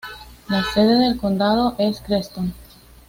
La sede del condado es Creston.